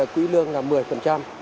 quỹ lương là một mươi